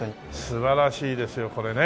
素晴らしいですよこれね。